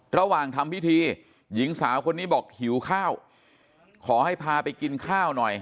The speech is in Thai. ระหว่างทำพิธีหญิงสาวคนนี้บอกหิวข้าวขอให้พาไปกินข้าวหน่อย